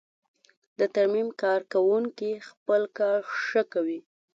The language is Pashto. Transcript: د ترمیم کارکوونکی خپل کار ښه کوي.